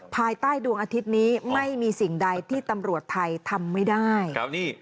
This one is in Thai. ภายใต้ดวงอาทิตย์นี้ไม่มีสิ่งใดที่ตำรวจไทยทำไม่ได้